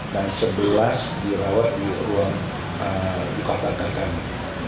dan sebelas dirawat di ruang buka bakar kami